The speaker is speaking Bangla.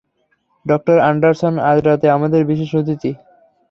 ডঃ অ্যান্ডারসন আজ রাতে আমাদের বিশেষ অতিথি।